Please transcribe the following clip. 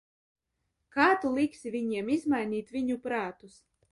Kā tu liksi viņiem izmainīt viņu prātus?